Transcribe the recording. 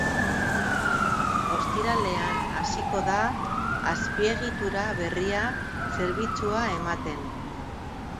Ostiralean hasiko da azpiegitura berria zerbitzua ematen.